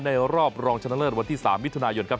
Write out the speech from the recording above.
รอบรองชนะเลิศวันที่๓มิถุนายนครับ